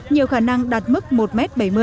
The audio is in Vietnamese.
nhiều khả năng đạt mức một m bảy mươi